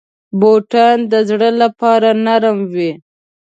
بوټونه د زړو لپاره نرم وي.